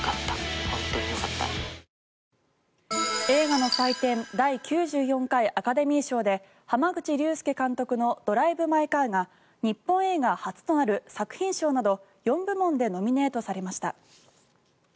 映画の祭典第９４回アカデミー賞で濱口竜介監督の「ドライブ・マイ・カー」が日本映画初となる作品賞など４部門でノミネートされました。